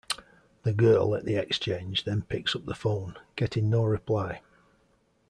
The girl at the exchange then picks up the phone, getting no reply.